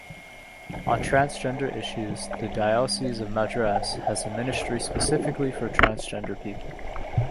On transgender issues, the Diocese of Madras has a ministry specifically for transgender people.